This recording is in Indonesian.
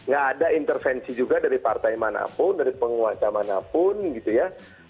gak ada intervensi juga dari partai manapun dari penguasa manapun gitu ya